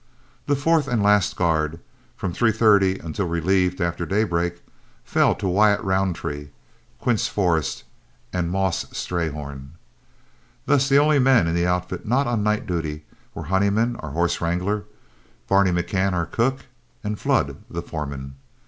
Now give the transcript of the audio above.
The fourth and last guard, from three thirty until relieved after daybreak, fell to Wyatt Roundtree, Quince Forrest, and "Moss" Strayhorn. Thus the only men in the outfit not on night duty were Honeyman, our horse wrangler, Barney McCann, our cook, and Flood, the foreman.